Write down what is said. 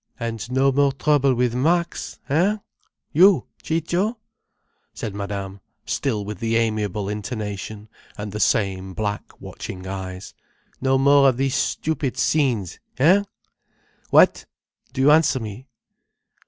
"And no more trouble with Max, hein?—you Ciccio?" said Madame, still with the amiable intonation and the same black, watching eyes. "No more of these stupid scenes, hein? What? Do you answer me."